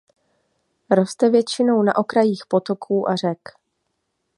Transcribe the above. Roste většinou na okrajích potoků a řek.